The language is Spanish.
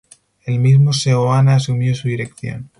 El mismo Seoane asumió su dirección.